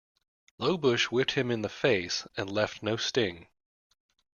Low bush whipped him in the face and left no sting.